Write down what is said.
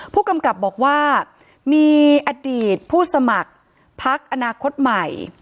ผู้กำกับบอกว่ามีอดีตผู้สมัครพักอนาคตใหม่